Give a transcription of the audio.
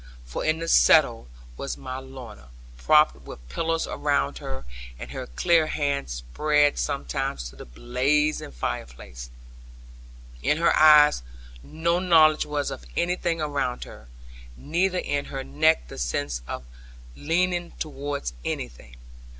For in the settle was my Lorna, propped with pillows round her, and her clear hands spread sometimes to the blazing fireplace. In her eyes no knowledge was of anything around her, neither in her neck the sense of leaning towards anything.